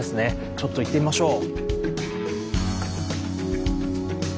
ちょっと行ってみましょう。